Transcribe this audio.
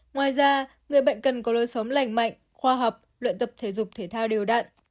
ngoài ra người bệnh cần có lối sống lành mạnh khoa học luyện tập thể dục thể thao đều đạn